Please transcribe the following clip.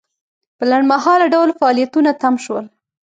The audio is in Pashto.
په لنډمهاله ډول فعالیتونه تم شول.